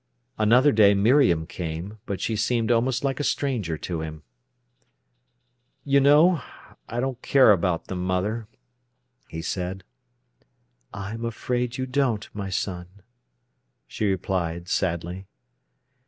Another day Miriam came, but she seemed almost like a stranger to him. "You know, I don't care about them, mother," he said. "I'm afraid you don't, my son," she replied sadly.